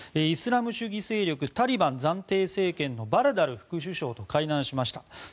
イスラム主義勢力タリバン暫定政権のバラダル副首相と会談しました。